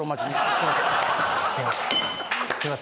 すいません。